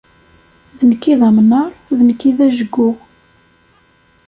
D nekk i d amnaṛ, d nekk i d ajgu.